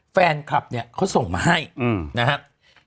แฟนคลับเขาส่งมาให้